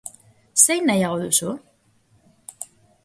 Zein nahiago duzu?